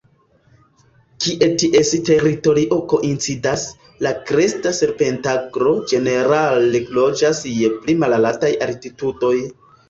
Kie ties teritorio koincidas, la Kresta serpentaglo ĝenerale loĝas je pli malaltaj altitudoj.